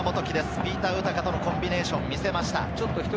ピーター・ウタカとのコンビネーションを見せました。